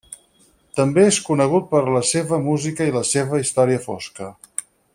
També és conegut per la seva música i la seva història fosca.